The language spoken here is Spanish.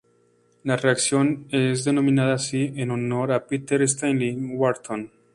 La reacción es denominada así en honor a Peter Stanley Wharton.